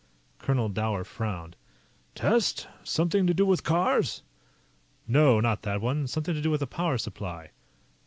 Colonel Dower frowned. "Test? Something to do with cars?" "No, not that one. Something to do with a power supply."